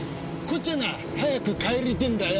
こっちはな早く帰りてえんだよ。